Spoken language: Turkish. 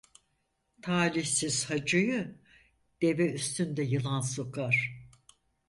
Talihsiz hacıyı deve üstünde yılan sokar.